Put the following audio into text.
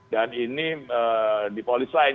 dan ini di polis lain